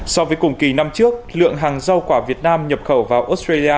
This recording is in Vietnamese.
so với cùng kỳ năm trước lượng hàng rau quả việt nam nhập khẩu vào australia